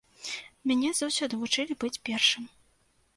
Мяне заўсёды вучылі быць першым.